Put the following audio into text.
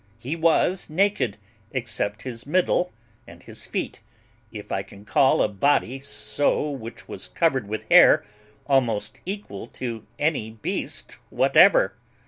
He was naked, except his middle and his feet, if I can call a body so which was covered with hair almost equal to any beast whatever.